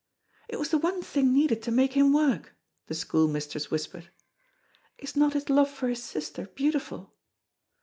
"It was the one thing needed to make him work," the school mistress whispered. "Is not his love for his sister beautiful?"